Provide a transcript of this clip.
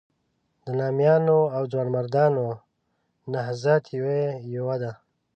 د نامیانو او ځوانمردانو نهضت یې یوه ده.